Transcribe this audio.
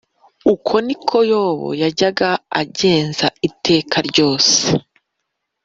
uko ni ko yobu yajyaga agenza iteka ryose